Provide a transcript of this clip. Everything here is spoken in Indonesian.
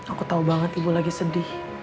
aku tahu banget ibu lagi sedih